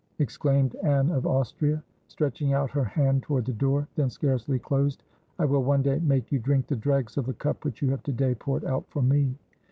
exclaimed Anne of Austria, stretching out her hand toward the door, then scarcely closed, "I will one day make you drink the dregs of the cup which you have to day poured out for me."